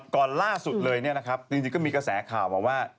ก่อนล่าสุดเลยเนี่ยนะครับจริงก็มีกระแสข่าวมาว่า